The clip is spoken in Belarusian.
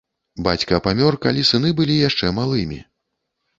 Бацька памёр, калі сыны былі яшчэ малымі.